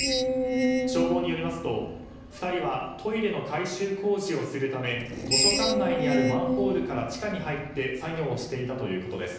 消防によりますと、２人はトイレの改修工事をするため図書館内にあるマンホールから地下に入って作業をしていたということです。